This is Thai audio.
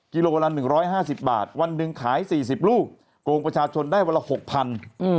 กิโลกรัมละ๑๕๐บาทวันหนึ่งขาย๔๐ลูกโกงประชาชนได้วันละ๖๐๐บาท